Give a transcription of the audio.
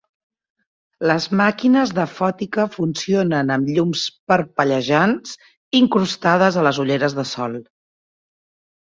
Les màquines de fòtica funcionen amb llums parpellejants incrustades a les ulleres de sol.